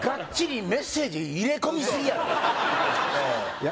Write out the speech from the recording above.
いや